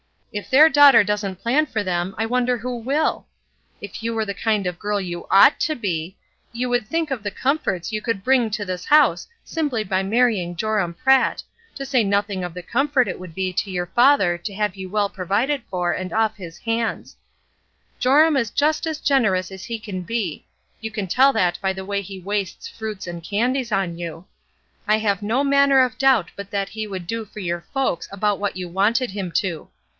If their daughter doesn't plan for them, I wonder who will ? If you w^ere the kind of girl you ought to be, you would think of the comforts you could bring into this house simply by marrying Joram Pratt, to say nothing of the comfort it would be to your father to have you well provided for and off his hands, Joram is just as generous as he can be; you can tell that by the way he wastes fruits and candies on you. I have no manner of doubt but that he would do for your folks about what you wanted him to.